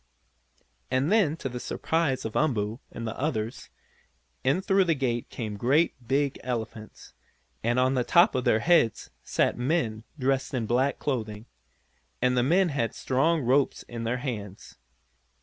And then, to the surprise of Umboo and the others, in through the gate came great big elephants, and on the tops of their heads sat men, dressed in black clothing. And the men had strong ropes in their hands.